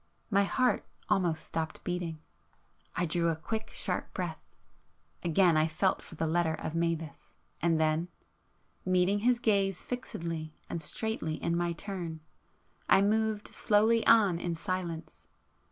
My heart almost stopped beating, ... I drew a quick sharp breath, ... again I felt for the letter of Mavis, and then, ... meeting his gaze fixedly and straightly in my turn, I moved slowly on in silence.